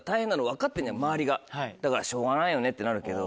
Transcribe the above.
周りがだからしょうがないよねってなるけど。